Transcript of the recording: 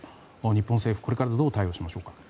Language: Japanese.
日本政府、これからどう対応しましょうか。